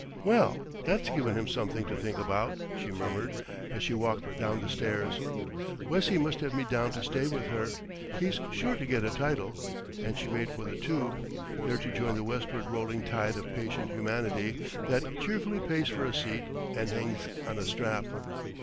"Well, that's given him something to think about," she murmured, as she walked down the stairs. "Wessie must have me down to stay with her. He's sure to get a title;" and she made for the Tube, there to join the westward rolling tide of patient humanity that cheerfully pays for a seat and hangs on a strap.